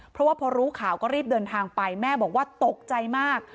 เพราะว่าพอรู้ข่าวก็รีบเดินทางไปแม่บอกว่าตกใจมาก